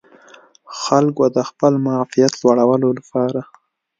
خلکو د خپل معافیت لوړولو لپاره